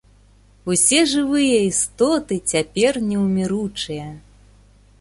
Усе жывыя істоты цяпер неўміручыя.